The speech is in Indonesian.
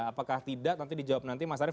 apakah tidak nanti dijawab nanti mas arief